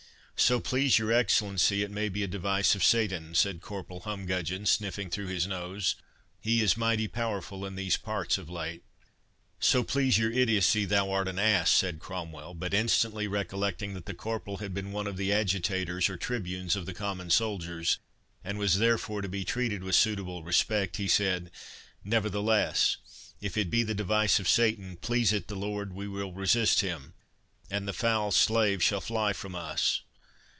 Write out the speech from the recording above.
"So please your Excellency, it may be a device of Sathan," said Corporal Humgudgeon, snuffing through his nose; "he is mighty powerful in these parts of late." "So please your idiocy, thou art an ass," said Cromwell; but, instantly recollecting that the corporal had been one of the adjutators or tribunes of the common soldiers, and was therefore to be treated with suitable respect, he said, "Nevertheless, if it be the device of Satan, please it the Lord we will resist him, and the foul slave shall fly from us.